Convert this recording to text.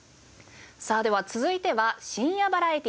さあでは続いては深夜バラエティーです。